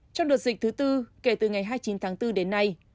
trong đợt dịch thứ tư kể từ ngày hai mươi chín tháng bốn đến nay